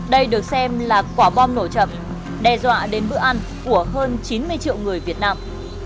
đây được xem là quả bom nổ chậm đe dọa đến bữa ăn của hơn chín mươi triệu người việt nam